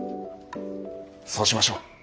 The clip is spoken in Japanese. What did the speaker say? そうしましょう。